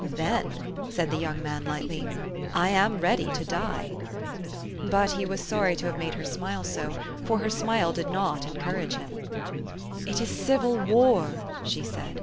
"Then," said the young man lightly, "I am ready to die." But he was sorry to have made her smile so ; for her smile did not encourage him. " It is civil war," she said.